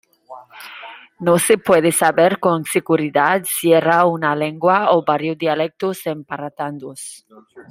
No se puede saber con seguridad si era una lengua o varios dialectos emparentados.